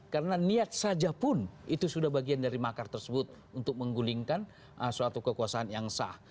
karena niat saja pun itu sudah bagian dari makar tersebut untuk menggulingkan suatu kekuasaan yang sah